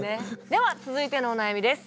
では続いてのお悩みです。